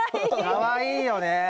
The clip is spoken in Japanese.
かわいいよねえ。